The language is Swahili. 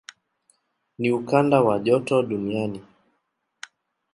Ni ukanda wa joto duniani.